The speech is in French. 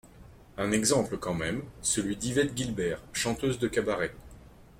Un exemple quand même, celui d’Yvette Guilbert, chanteuse de cabaret.